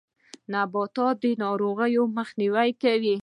د نباتي ناروغیو مخنیوی کوي.